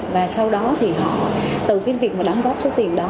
và sau đó thì họ từ việc đóng góp số tiền đó